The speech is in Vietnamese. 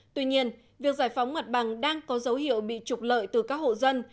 tuy nhiên việc giải phóng mặt bằng đang có dấu hiệu bị trục lợi từ các hộ dân